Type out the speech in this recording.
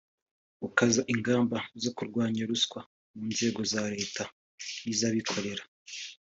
Gukaza ingamba zo kurwanya ruswa mu nzego za Leta n’iz’abikorera